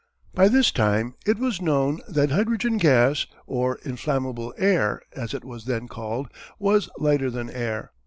By this time it was known that hydrogen gas, or "inflammable air" as it was then called, was lighter than air.